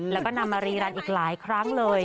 แล้วก็นำมารีรันอีกหลายครั้งเลย